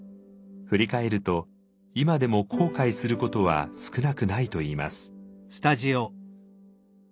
振り返ると今でも後悔することは少なくないといいます。